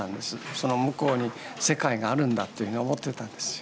その向こうに世界があるんだというふうに思ってたんですよ。